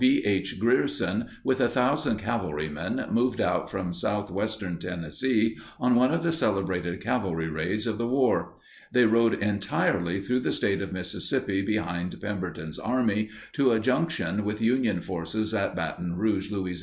B. H. Grierson with 1,000 cavalrymen moved out from southwestern Tennessee on one of the celebrated cavalry raids of the war. They rode entirely through the State of Mississippi behind Pemberton's army to a junction with Union forces at Baton Rouge, La.